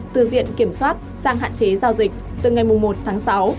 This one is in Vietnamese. từ diện kiểm soát sang hạn chế giao dịch từ ngày một tháng sáu